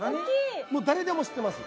もう誰でも知ってます。